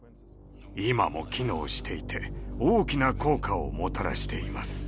今も機能していて大きな効果をもたらしています。